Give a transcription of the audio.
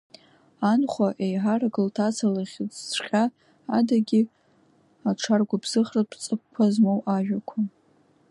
Анхәа, еиҳарак лҭаца лыхьыӡҵәҟьа адагьы, аҿаргәыбзыӷратә ҵакқәа змоу ажәақәа…